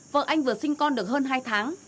vợ anh vừa sinh con được hơn hai tháng